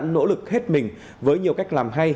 nỗ lực hết mình với nhiều cách làm hay